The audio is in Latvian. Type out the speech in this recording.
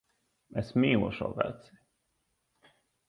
Es mīlu šo veci.